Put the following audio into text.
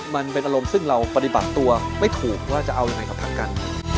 มันเป็นอารมณ์ซึ่งเราปฏิบัติตัวไม่ถูกว่าจะเอายังไงกับทางการ